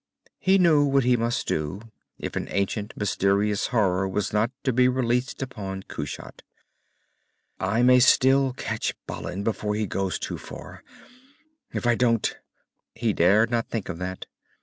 He knew what he must do, if an ancient, mysterious horror was not to be released upon Kushat. _I may still catch Balin before he has gone too far! If I don't _ He dared not think of that.